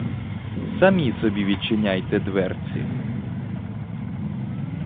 Самі собі відчиняйте дверці!